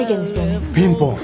ピンポン！